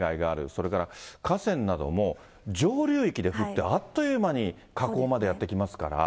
それから河川なども上流域で降って、あっという間に河口までやって来ますから。